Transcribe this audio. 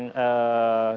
betul sekali budi